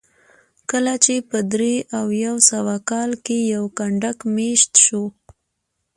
کله چې په درې او یو سوه کال کې یو کنډک مېشت شو